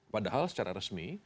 padahal secara resmi